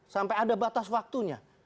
sampai ada batas waktunya